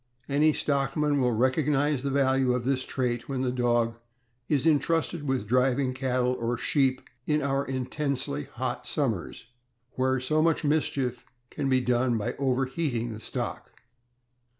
Any stockman will recognize the value of this trait when the dog is intrusted with driving cattle or sheep in our intensely hot summers, where so much mischief can be done by overheating the stock.